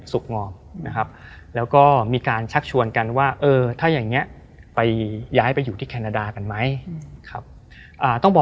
ทรูปทั้งแล้วก็มีการชักชวนกันว่าเออถ้าอย่างเนี้ยไปย้ายไปอยู่ที่แคนาดากันไหมครับ